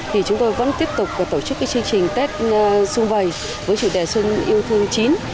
thì chúng tôi vẫn tiếp tục tổ chức chương trình tết xung vầy với chủ đề xuân yêu thương chín